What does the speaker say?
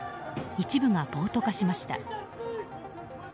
一部が暴徒化しました。